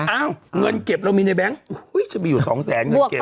เอ้าเงินเก็บเรามีในแบงค์จะมีอยู่สองแสนเงินเก็บ